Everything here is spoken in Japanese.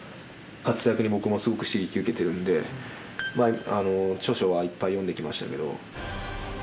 活躍に僕もすごく刺激受けてるんで、著書はいっぱい読んできましたけど。